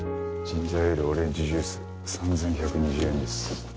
ジンジャーエールオレンジジュース３１２０円です。